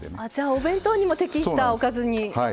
お弁当にも適したおかずに。